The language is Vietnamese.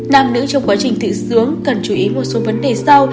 nam nữ trong quá trình thụ sướng cần chú ý một số vấn đề sau